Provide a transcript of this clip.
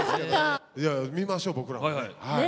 見ましょう僕らもね。